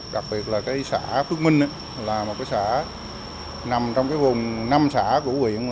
đặc biệt là xã phước minh là một xã nằm trong vùng năm xã của huyện